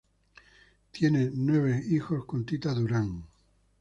Tiene nueve hijos con Tita Durán.